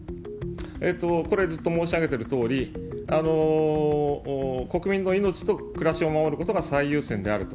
これ、ずっと申し上げてるとおり、国民の命と暮らしを守ることが最優先であると。